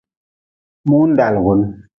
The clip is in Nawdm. Mundalugun.